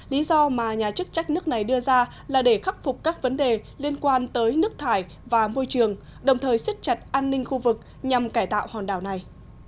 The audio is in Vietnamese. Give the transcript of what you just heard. lý do mà nhà chức trách nước này đưa ra là để khắc phục các vấn đề liên quan tới nước thải và môi trường đồng thời xích chặt an ninh khu vực nhằm cải tạo hòn đảo này